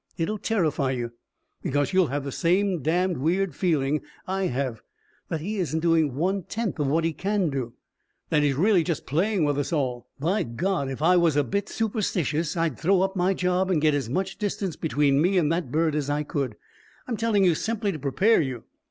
It'll terrify you. Because you'll have the same damned weird feeling I have that he isn't doing one tenth of what he can do that he's really just playing with us all. By God, if I was a bit superstitious, I'd throw up my job and get as much distance between me and that bird as I could. I'm telling you simply to prepare you.